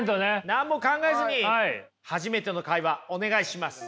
何も考えずに初めての会話お願いします。